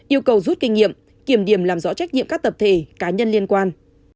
yêu cầu rút kinh nghiệm kiểm điểm làm rõ trách nhiệm các tập thể cá nhân liên quan